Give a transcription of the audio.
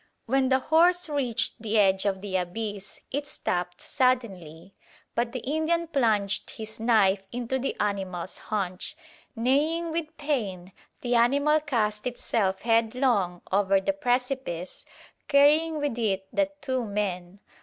When the horse reached the edge of the abyss, it stopped suddenly, but the Indian plunged his knife into the animal's haunch. Neighing with pain, the animal cast itself headlong over the precipice, carrying with it the two men.